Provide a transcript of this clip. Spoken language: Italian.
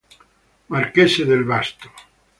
Marchese del Vasto